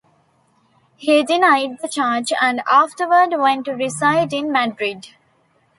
He denied the charge and afterward went to reside in Madrid.